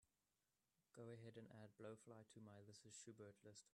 go ahead and add blowfly to my This Is Schubert list